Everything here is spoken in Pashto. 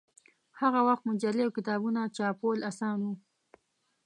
هغه وخت مجلې او کتابونه چاپول اسان نه و.